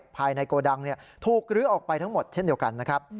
ภายในโกดังถูกลื้อออกไปทั้งหมดเช่นเดียวกันนะครับ